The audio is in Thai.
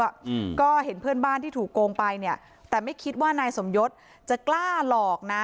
อืมก็เห็นเพื่อนบ้านที่ถูกโกงไปเนี้ยแต่ไม่คิดว่านายสมยศจะกล้าหลอกนะ